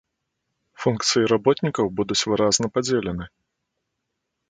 Функцыі работнікаў будуць выразна падзелены.